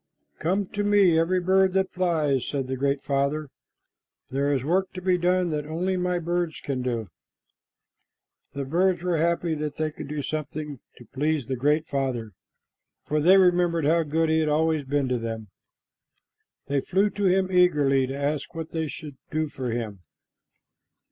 "Come to me, every bird that flies," said the Great Father. "There is work to be done that only my birds can do." The birds were happy that they could do something to please the Great Father, for they remembered how good he had always been to them. They flew to him eagerly to ask what they should do for him.